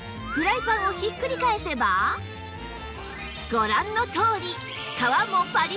ご覧のとおり